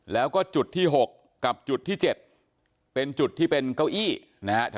แล้วก็จุดที่๖กับจุดที่๗เป็นจุดที่เป็นเก้าอี้นะฮะ